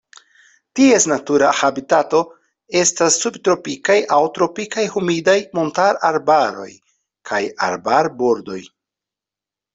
Ties natura habitato estas subtropikaj aŭ tropikaj humidaj montararbaroj kaj arbarbordoj.